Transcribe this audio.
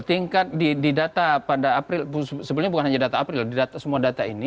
tingkat di data pada april sebelumnya bukan hanya data april semua data ini